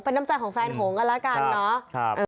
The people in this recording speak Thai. เป็นน้ำใจของแฟนหงกันแล้วกันเนาะ